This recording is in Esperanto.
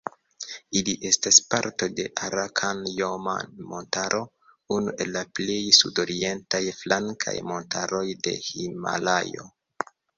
Ili estas parto de Arakan-Joma-Montaro, unu el la plej sudorientaj flankaj montaroj de Himalajo.